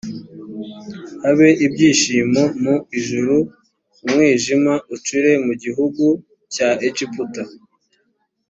habe ibyishimo mu ijuru umwijima ucure mu gihugu cya egiputa